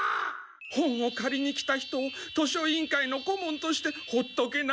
本を借りに来た人を図書委員会のこもんとしてほっとけないからです。